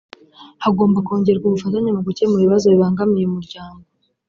hagomba kongerwa ubufatanye mu gukemura ibibazo bibangamiye umuryango